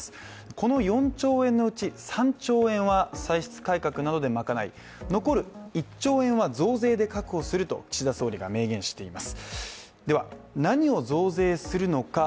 この４兆円のうち３兆円は歳出改革などで賄い、残る１兆円は増税で確保すると岸田総理は明言しています。